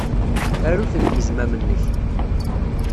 Aru-t deg uzmam-nnek.